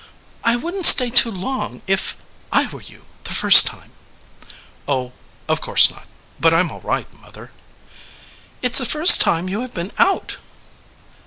"I wouldn t stay too long, if I were you, the first time." "Oh no, of course not; but I m all right, mother." 172 THE LIAR "It s the first time you have been out."